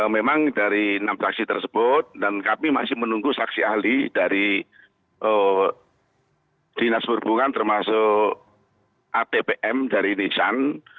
memang dari enam saksi tersebut dan kami masih menunggu saksi ahli dari dinas perhubungan termasuk atpm dari nisan